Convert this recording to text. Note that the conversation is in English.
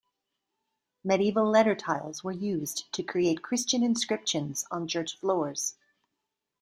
Medieval letter tiles were used to create Christian inscriptions on church floors.